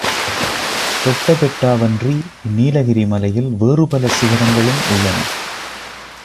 தொட்டபெட்டாவன்றி நீலகிரி மலையில் வேறு பல சிகரங்களும் உள்ளன.